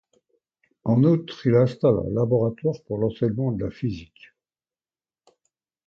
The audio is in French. En outre, il installe un laboratoire pour l’enseignement de la physique.